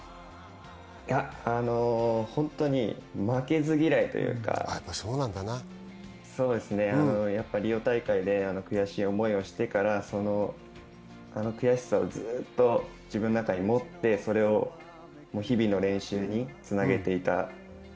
本当に負けず嫌いというか、やっぱり、リオ大会で悔しい思いをしてから、あの悔しさを自分の中にずっともって、それを日々の練習につなげていた。